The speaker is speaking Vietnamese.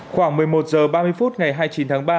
khoảng một mươi một h ba mươi phút ngày hai mươi chín tháng ba